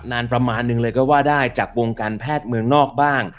นานประมาณนึงเลยก็ว่าได้จากวงการแพทย์เมืองนอกบ้าง